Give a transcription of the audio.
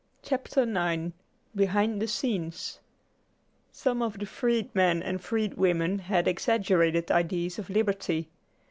CHAPTER IX BEHIND THE SCENES Some of the freedmen and freedwomen had exaggerated ideas of liberty.